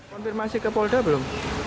konfirmasi ke polda belum